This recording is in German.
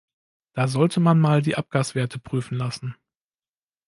Da sollte man mal die Abgaswerte prüfen lassen.